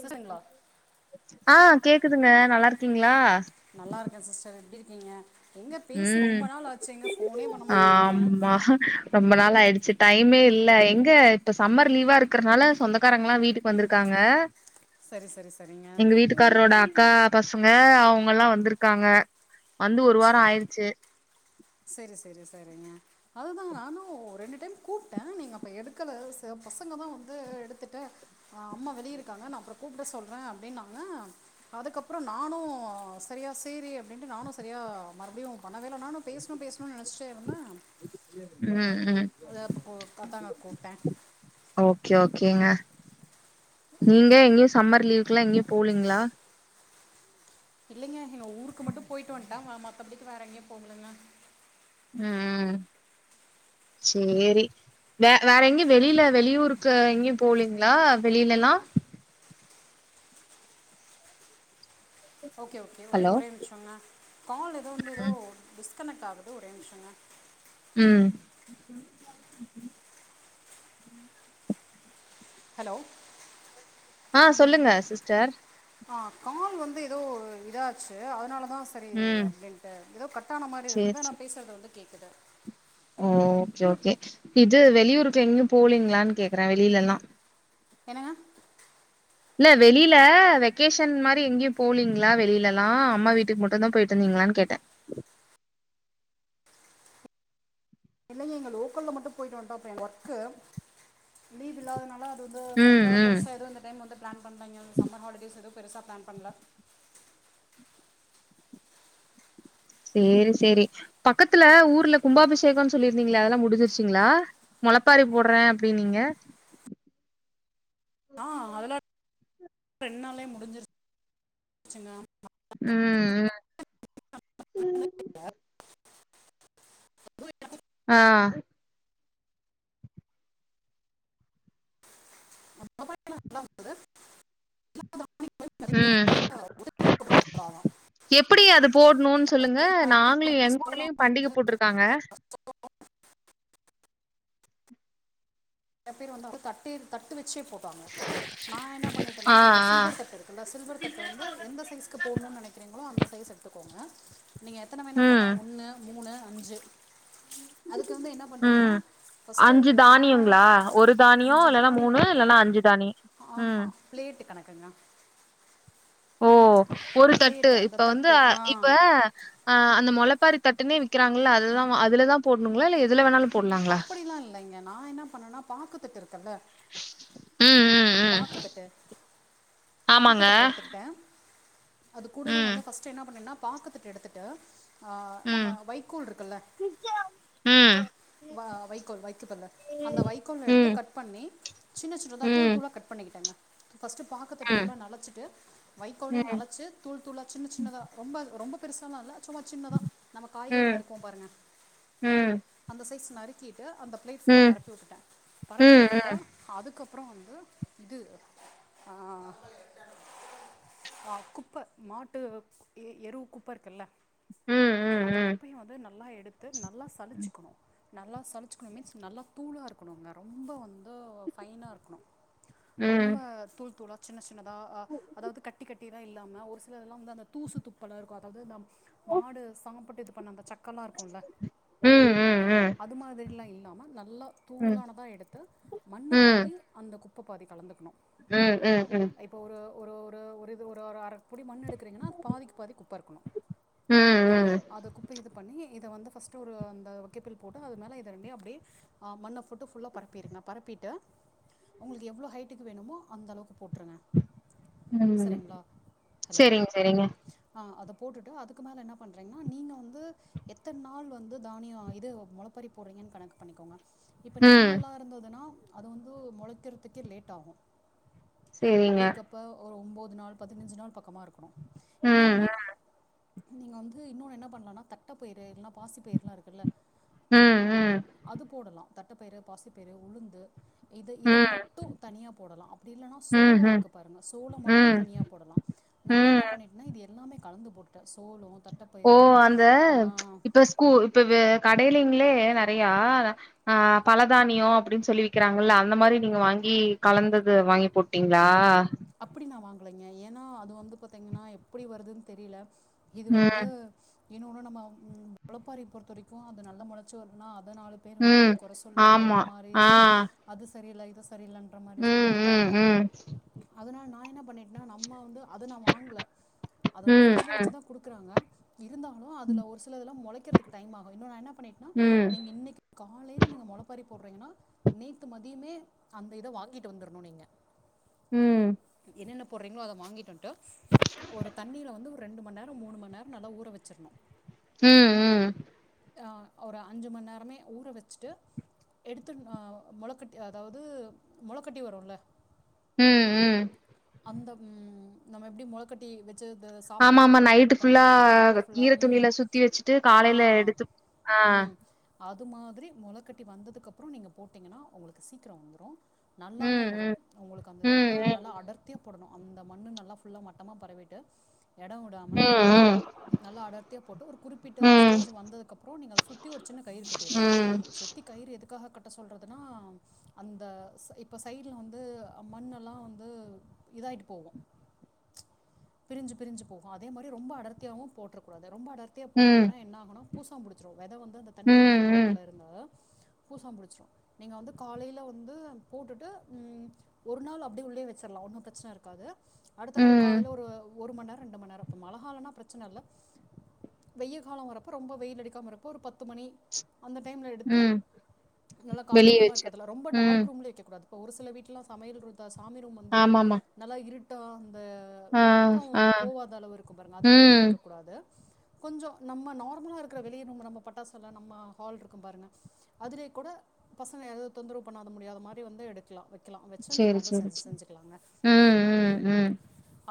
சிஸ்டருங்களா அ கேக்குதுங்க நல்லா இருக்கீங்ளா நல்லாருக்கேன் சிஸ்டர் எப்டி இருக்கீங்க எங்க பேசி ம் ரொம்ப நாள் ஆச்சு எங்க ஃபோனே பண்ணமாட்டேங்றீங்க ஹ ரொம்ப நாள் ஆயிடுச்சு டைமே இல்ல எங்க இப்ப சம்மர் லீவா இருக்கறனால சொந்தக்காரங்கலா வீடு வந்துருக்காங்க சரி சரி சரிங்க அக்காரோட அக்கா பசங்க அவுங்கல்லா வந்துருக்காங்க வந்து ஒரு வாரோ ஆயிருச்சு சரி சரி சரிங்க அதுதா நானு ரெண்டு டைம் கூப்ட்ட நீங்க அப்ப எடுக்கல ச பசங்கதா வந்து எடுத்துட்டு அ அம்மா வெளியிருக்காங்க நா அப்ற கூப்ட சொல்ற அப்டின்னாங்க அதுக்கப்றோ நானு சரியா சேரி அப்டின்ட்டு நானு சரியா மறுபடியு பண்ணவேல நானு பேசணு பேசணுன் நெனச்சிட்டேருந்த ம் ம் அது அப்ப கு காத்தாங்க கூப்ட்ட ஓகே ஓகேங்க நீங்க எங்யு சம்மர் லீவ்கெல்லா எங்யு போலைங்ளா இல்லைங்க எங்க ஊருக்கு மட்டு போய்ட்டு வந்ட்டா ம மத்தபடிக்கு வேற எங்கயு போகலைங்க அ சேரி வே வேற எங்கயு வெளில வெளியூருக்கு எங்கயு போலீங்ளா வெளிலல்லா ஓகே ஓகே ஒரே ஹலோ ஒரே நிம்ஷங்க கால் ஏதோ வந்து ஏதோ ம் டிஸ்கனெக்ட் ஆகுது ஒரே நிம்ஷங்க ம் ஹலோ அ சொல்லுங்க சிஸ்டர் அ கால் வந்து ஏதோ இதாச்சு அதனால தா ஸ் சரி ம் அப்டின்ட்டு ஏதோ கட்டான மாரி இருந்தது சேரி சே ஆனா பேசுறது வந்து கேக்குது ஓ ஓகே ஓகே இது வெளியூருக்கு எங்கயு போலீங்களான்னு கேக்குறே வெளியிலல்லா என்னங்க இல்ல வெளியில வெக்கேஷன் மாரி எங்கேயு போகலீங்களா வெளியில எல்லா அம்மா வீட்டுக்கு மட்டுதா போயிட்டு வந்தீங்களான்னு கேட்டே இல்லைங்க இங்க லோக்கல்ல மட்டு போயிட்டு வந்ட்டா இப்ப எனக்கு ஒர்க் லீவ் இல்லாதனால வந்து ம் கரெக்ட்டா ம் பெருசா எதுவு இந்த டைம் வந்து பிளான் பண்ணலைங்க சம்மர் ஹாலிடேஸ் எதுவு பெருசா பிளான் பண்ல சேரி சேரி பக்கத்துல ஊர்ல கும்பாபிஷேகம் சொல்லிருந்தீங்கள அதெல்லா முடிஞ்சிருச்சிங்களா மொளப்பாரி போட்றே அப்டீனிங்க ஆ அதலா ரெண்டு நாள்ளயே முடிஞ்சிருச்சுங்க ஆ அ உம் ஆ அப்ப தா நல்லா இருந்தது நிறைய அ வந்து ஒதுக்க போட்டுக்க கூடாதான் எப்டி அது போட்ணுன்னு சொல்லுங்க நா தோழி எங்க ஊர்லயு பண்டிக போட்டுருக்காங்க கத்திற வந்தோகு கத் து தட்டு வெச்சே போட்டாங்க நா என்ன பண்ணிட்டனா ஆ அந்த ஆ சில்வர் தட்டு இருக்குல சில்வர் தட்டு வந்து எந்த சைஸ்க்கு போட்ணுண் நெனைக்கிறீங்களோ அந்த சைஸ் எடுத்துகோங்க நீங்க எத்தன வேணா போல்லா ம் ஒன்னு மூணு அஞ்சு அதுக்கு வந்து என்ன பண்றீங்கனா ஃபஸ்ட்டு நா அ ஒரு தா அஞ்சு தானியோ இல்ல ம் ஆஹா ப்ளேட்டு கணக்குங்க ஓ ஒரு தட்டு பிளேட்டு இப்ப அந்த வந்து தட்டு அ ஆ இப்ப அ அந்த மொளப்பாரி தட்டுன்னே விக்கிறாங்கள்ள அதுதா அதுலதா போட்ணுங்ளா இல்ல எதுல வேணாலு போடலாங்களா அப்படிலா இல்லைங்க நானக்ஷ என்ன பண்ணேன்னா பாக்குத்தட்டு இருக்குல்ல அ அ பாக்குதட்டு ஆமாங்க பாக்குதட்ட எடுத்துக்குட்டே அது கூடவே ம் வந்து ஃபஸ்ட் என்ன பண்ணேன்னா பாக்கு தட்டு எடுத்துட்டு ஆ ம் நம்ம வைக்கூல் இருக்குல்ல ம் வ வைக்கோல் வைக்கு பல்ல அந்த வைக்கோல் எடுத்து ம் கட் பண்ணி சின்ன சின்னதா தூள் ம் தூளாக கட் பண்ணிக்கிட்டேங்க ஃபஸ்ட்டு பாக்கு தட்டு ஃபுல்ல நளச்சிட்டு வைக்கோலயு ம் நளச்சு தூள் தூளா சின்ன சின்னதா ரொம்ப ரொம்ப பெருசாலா இல்ல சும்மா சின்னதா நம்ம ம் காய்கறி ம் நறுக்குவோ பாருங்க ம் அந்த சைஸ் நறுக்கிட்டு அந்த ப்ளேட் ஃபுல்லா ம் பரப்பி வுட்டுட்டே பரப்பி ம் விட்டுட்டு அதுக்கப்புறோ வந்து இது ஆ ஆ குப்ப மாட்டு எ எரு குப்ப இருக்குல்ல ம் அந்த ம் குப்பையு வந்து நல்லா எடுத்து நல்லா சளிச்சிக்கணு நல்லா சளிச்சிக்கணு மீன்ஸ் நல்லா தூளா இருக்கணுங்க ரொம்ப வந்து ஃபைனா இருக்கணு ம் ரொம்ப தூள் தூளா சின்ன சின்னதா அ அதாவது கட்டி கட் டிலா இல்லாம ஒரு சில இதல்லா வந்து அந்த தூசு துப்பலா இருக்கு அதாவது நம் மாடு சாப்புட்டு இது பண்ண அந்த சக் க்கலா இருக்குல்ல ம் ம் அது மாதிரிலா இல்லாம நல்ல தூளானதா எடுத்து மண்ணு ம் பாதி அந்த குப்ப பாதி கலந்துக்கணு ம் ம் ம் இப்ப ஒரு ஒரு ஒரு ஒரு இது ஒரு அர புடி மண் எடுக்குறீங்கன்னா பாதிக்கு பாதி குப்ப இருக்கணு ம் ம் ம் அது குப்ப இது பண்ணி இத வந்து ஃபஸ்ட் டு ஒரு அந்த வக்கிப்பில் போட்டு அது மேலே இத ரெண்டயு அப்டியே அ மண்ண ஃபுட்டு ஃபுல்லா பரப்பீருங்க பரப்பீட்டு உங்களுக்கு எவ்வளோ ஹைட்டுக்கு வேணுமோ அந்தளவுக்கு போட்ருங்க ம் செரிங்ளா ஹலோ சரிங்க சரிங்க அ அத போட்டுட்டு அதுக்கு மேல என்ன பண்றைங்ன்னா நீங்க வந்து எத்தன் நாள் வந்து தானியோ இது மொளப்பாரி போடறீங்கன்னு கணக்கு பண்ணிக்கோங்க இப்ப ம் நெல்லெல்லா இருந்ததுன்னா அது வந்து மொளைக்கறத்துக்கே லேட் ஆகு சேரிங்க. அப்டி இருக்கப்ப ஒரு ஒன்பது நாள் பதினஞ்சு நாள் பக் பக்கமா இருக்கணு ம், இன்னொன்னு நீங்க வந்து இன்னொன்னு என்ன பண்ணலனா தட்டப்பயிரு எல்லா பாசிப்பயர்லா இருக்குல்ல ம், ம், அது போடலா தட்டப்பயிறு பாசிப்பயிறு உளுந்து இத இத ம், மட் டு தனியா போடலா அப்படி இல்லன்னா ம், சோளோ ம், இருக்கு பாருங்க சோளோ மட்டு ம், தனியா போடலா நா ம். என்ன பண்ணீட்டனா இது எல்லாமே கலந்து போட்டுட்ட சோளோ ஓ அந்த இப்ப கூ இப்ப வே கடைலிங்ளே நறையா அ பலதானியோ அப்படின்னு சொல்லி விக்கறாங்கல்ல அந்த மாரி நீங்க வாங்கி கலந்தது வாங்கி போட்டீங்களா அப்படி நா வாங்கலைங்க ஏன்னா அது வந்து பாத்திங்கன்னா எப்படி வருதுன்னு தெரில இது வந்து ம், இன்னொன்னு நம்ம மொளப்பாரிய பொறுத்த வரைக்கு அது நல்லா மொளச்சி வரலனா அத நாலு பேர் ம். வந்து கொர சொல்லுவாங்க ஆமா. ஒரு மாரி ஆ. அது சரியில்ல இது சரியில்லன்ற மாரி ம், சொல்லுவாங்க ம், ம் அதனால் நா என்ன பண்ணீட்னா நம்ம வந்து அத நா வாங்கல அத வந்து ம், பிரிஜ்ல வெச்சுதா குடுக் குறாங்க இருந்தாலு அதுல ஒரு சிலதுலா மொளைக்கறதுக்கு டைம் ஆகு இன்னொனு நா என்னா பண்ணீட்டனா ம், நீங்க இன்னிக்கு காலையில நீங்க மொளப்பாறி போடுறீங்கன்னா நேத்து மதியமே அந்த இத வாங்கிட்டு வந்துரணு நீங்க ம் என்னென்ன போடுறீங்களோ அத வாங்கீட்டு வன்ட்டு ஒரு தண்ணீல வந்து ஒரு ரெண்டு மண்நேரோ மூணு மண்நேரோ நல்லா ஊற வெச்சர்னு ம் ம். அ ஒரு அஞ்சு மண் நேரமே ஊற வெச்சுட்டு எடுத்துங் அ மொளக்கட்டி அதாவது மொளக்கட்டி வருல்ல ம் ம் அந்த ம் நம்ம எப்டி மொளக்கட்டி வெ ச்சுது ஆமாமா சாப்பறதுக்கு இதுக்குலா இது நைட்டு பண்ணுவோ ஃபுல்லா பாருங்க நைட் ஃபுல்லா ஈர ம் துணியில சுத்தி வச்சுட்டு ஆ காலையில எடுத்து ஆ. ம் அது மாதிரி மொளக்கட்டி வந்ததுக்க அப்பறோ நீங்க போட்டிங்கன்னா உங்களுக்கு சீக்கரோ வந்துரு நல்லாவு ம், வரு ம். உங்களுக்கு அந்த இத அனா ம் நல்லா அடர்த்தியா போடணு அந்த மண்ணு நல்லா ஃபுல்லா மட்டம பரவீட்டு எடோ உடாம ம் நல்லா அடர்த்தியா போட்டு ஒரு குறிப்பிட்ட ம் ம் ஸ்டேஜ் வந்ததுக்கப்பறோ நீங்க அத சுத் த்தி ஒரு சின்ன கயிறு கட்டியிரனு ம் சுத்திக் கயிறு எதுக்காக கட்ட சொல்றதுன்னா அந்த ஸ் இப்ப சைட்ல வந்து மண்ணு எல்லா வந்து இதாய்ட்டு போகு பிரி்ஞ்சு பிரி்ஞ்சு போகு அதே மாரி ரொம்ப அடர்த்தியாவு போட்றக்கூடாது ரொம்ப அடர்த் த்தியா போட்டீங்கன்னா என்ன ஆகுன்னா பூசணம் புடிச்சிடும் வெத வந்து அந்த ம் தண்ணி ம் ஈரப்பதத்துல இருந்து பூசணம் புடிச்சிரும் நீங்க வந்து காலைல வந்து போட்டுட்டு ஒரு நாள் அப் அப்டி உள்ளே வச்சிரலா ஒன்னும் பிரச்சன இருக்காது அடுத்த நாள் ம் காலையில ஒரு ஒர் மண் நேர ரெண்டு மணி நேர இப்ப மழகாலன்னா பிரச்சன இல்ல வெயில் காலம் வரப்ப ரொம்ப வெயில் அடிக்காம இருப்ப ஒரு பத்து மணி அந்த டைம்ல எடுத்து ம் நல்லா வெளிய காத்தோட்டமா வச்சு இருக்கிறதில்ல ரொம்ப ம் டார்க் ரூம்ல வைக்க கூடாது ஒரு சில வீட்லா சமையல் ருதா சாமி ரூம் வந்து ஆமாமா நல்லா இருட்டா அந்த ஆ வெப்ப ஆ போகாத அளவு இருக்கு பாருங்க அது மாரிலா ம் இருக்கக் கூடாது கொஞ்சோ நம்ம நார்மலா இருக்கிற வெளிய நுங்க நம்ம பட்டாசு எல்லா நம்ம ஹால் இருக்கும் பாருங்க அதிலே கூட பசங்க எது தொந்தரவு பண்ணாத முடியாத மாதிரி வந்து எடுக்கலா வக்கலா வச்சு நீங்க சேரி வந்து த சேரி செஞ்சு சேரி செஞ்சுக்கலாங்க ம்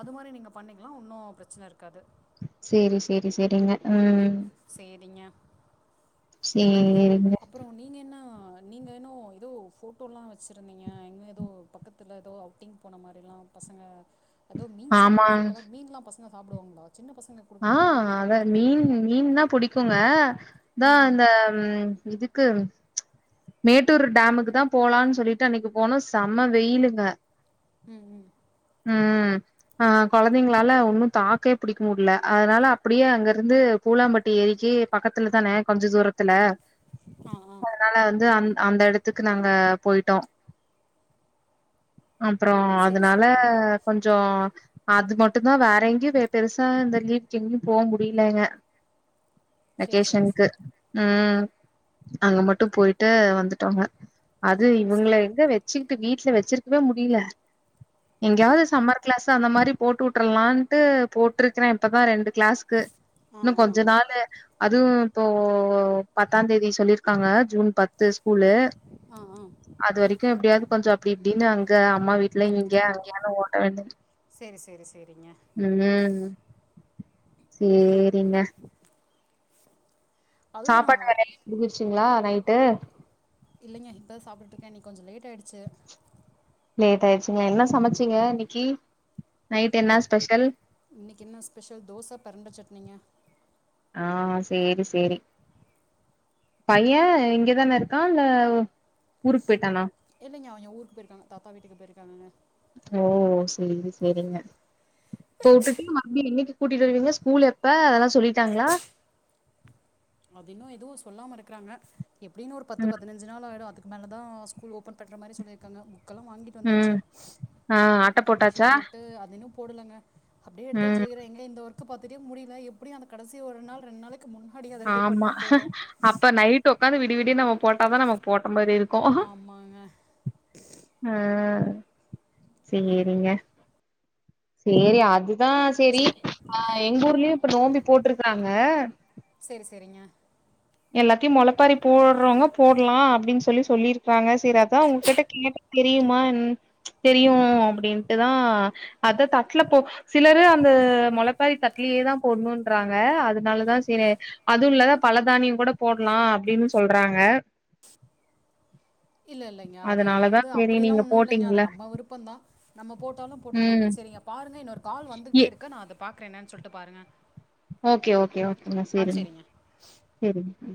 அது மாரி நீங்க பண்ணிங்களா ஒன்னும் பிரச்சனை இருக்காது சேரி சேரி சேரிங்க உம் சேரிங்க சேரிங்க அப்புற நீங்க என்ன நீங்க ஏன்னோ ஏதோ ஃபோட்டோலா வச்சுருந்தீங்க எங்கே ஏதோ பக்கத்தில ஏதோ ஔ ட்டிங் போன மாரில்லா பசங்க எதோ மீன் ஆமா சாப்பட்ற ஃபோட்டோலா மீன்ல்லா பசங்க சாப்புடுவாங்களா சின்ன பசங்க ஆ அத மீன் மீன்னா புடிக்குங்க தா ம் அந்த ம் இதுக்கு மேட்டூர் டேமுக்கு தா போலானு சொல்லிட்டு அன்னக்கி போனோ செம வெயிலுங்க ம் ம் ம் ம் ஆ கொழந்தங்களால ஒன்னு தாக்கே புடிக்க முட்ல அதனால அப்பிடியே அங்க இருந்து பூலாம்பட்டி ஏரிக்கு பக்கத்துல தானே கொஞ்ச தூர த்துல ஆ ஆ அதுனால வந்து அந் அந்த எட த்துக்கு நாங்க போய்ட்டோ அப்றோ சரி அதுனால சரிங்க கொஞ்சோ அதுக் மட்டுந்தா வேற எங்கெயு பெருசா இந்த கீ கெங்யு போ முடியலங்க சரி சரி அக்கேஷன்க்கு சரி ஆ அங்க மட்டு போய்ட்டு வந்துட்டோங்க அது சரி இவுங்கள எங்க வெ ச்சுக்கிட்டு வீட்ல வெச்சிருக்கவே முடில. எங்கயாவ்து சம்மர் க்ளாஸ் த அந்த மாரி போட்டுட்டுரலான்ட்டு போட்ருக்கிறே இப்பதா ரெண்டு கிளாஸ்க்கு ஆ இன்னு ஆ கொஞ்ச ஆ நாளு அதுவு இப்போ பத்தாந் தேதி சொல்லிருக்காங்க ஜூன் பத் து ஸ்கூலு ஆ ஆ அது வரைக்கு எப்பிடியாது கொஞ்சோ அப்பிடி இப்பிடின்னு அங்க அம்மா வீட்ல இங்க அங்கனு ஓட வேண்டி சேரி சேரி சேரிங்க ம் சேரிங்க அதுதான் சாப்பாட்டு வேல எல்லா முடுஞ்சுருச்ங்ளா நைட்டு இல்லங்க இப்ப தா சாப்டுட்டு இருக்கே இன்னக் கொஞ்சோ லேட் ஆய்டுச்சு லேட் ஆய்டுச்சுங்க என்ன சமச்சீங்க இன்னக்கி நைட் என்ன ஸ்பெஷல் இன்னிக்கி என்ன ஸ்பெஷல் தோச பெரண்ட சட்னிங்க ஆ சேரி சேரி பைய இங்கதான இருக்கா இல்ல ஊருக்கு போய்ட்டானா இல்லங்க அவிங்க ஊருக்கு போய்ர்க்காங்க தாத்தா வீட்டுக்கு போய்ர்க்காங்கங்க ஓ செரி செரிங்க போட்டுட்டு மறுபடி என்னிக்கு கூட்டிட்டு வருவீங்க ஸ்கூல் எப்ப அதல்லா சொல்லிட்டாங்களா அது இன்னு எதுவு சொல்லாம இருக்குறாங்க எப்டியு இன்னு ஒரு பத்து ம் பதினஞ்சு நாள் ஆய்டு அதுக்கு மேல தா ஸ்கூல் ஓபன் பண்ற மாரி சொல்லிர்க்காங்க புக்கெல்லா வாங்கிட்டு ம் வந்தாச்சு ஆ அட்ட போட்டாச்சா அட்மிஷன் போட்டூ அது இன்னு போடலங்க அப்டியே எடுத்து ம் வெச்சிருக்கிற எங்க இந்த வர்க்கு வர்க்கு பாத்துட்டே முடில எப்டி அந்த கடசி ஒரு நாள் ரெண்டு நாள்க்கு முன்னாடியா ஆமா அப்ப நைட் உக்காந்து விடி விடிய நம்ம போட்டாதா நமக்கு போட்ட மாரி இரு ஆமாங்க ஆ சேரிங்க சேரி அதுதா சேரி சரி அ எங்க ஊர்லயு இப்ப நோம்பி போட்டு இருக்குறாங்க. சேரி சேரிங்க எல்லாத்தயு முளப்பாரி போட்றவங்க போடலா அப்டின்னு சொல்லி சொல்லிருக் குறாங்க சேரி அதா உங்கிட்ட கேட்டா தெரியுமா என் தெரியு அப்டின்ட்டுதா அதா தட்ல போ சிலரு அந்த முளப்பாரி தட்லயே தா போடணுன்றாங்க அதனாலதா சே அது இல்லதா பல தானிய கூட போட்லா அப்டின்னு சொல்றாங்க இல்ல இல்லங்க அது அது அதனாலதா வந்து செரி அப்டிலா நீங்க ஒன்னு இல்லங்க அது போட்டீங்கல்ல நம்ம விருப்பந்தா நம்ம போட்டாலு போட்டுக்கலாங்க ம் சேரிங்க பாருங்க இன்னொரு கால் ஏ வந்துட்டே இருக்கு நா அத பாக்குற என்னன்னு சொல்லிட்டு பாருங்க ஓகே ஓகே ஓகேங்க சேரிங் செரிங்க.